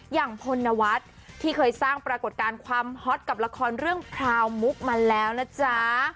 พลนวัฒน์ที่เคยสร้างปรากฏการณ์ความฮอตกับละครเรื่องพราวมุกมาแล้วนะจ๊ะ